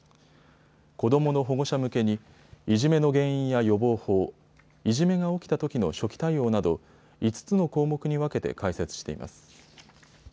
子どもの保護者向けにいじめの原因や予防法、いじめが起きたときの初期対応など５つの項目に分けて解説しています。